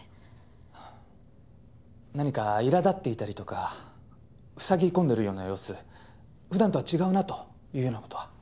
何か苛立っていたりとかふさぎ込んでいるような様子普段とは違うなというような事は？